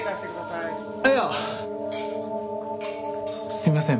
すいません。